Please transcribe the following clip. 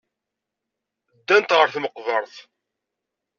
Ddant ɣer tmeqbert.